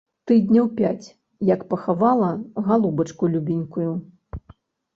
Тыдняў пяць, як пахавала галубачку любенькую.